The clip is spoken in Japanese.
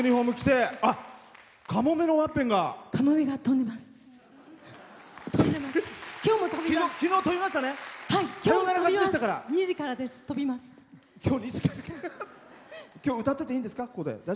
きょう歌ってていいんですか？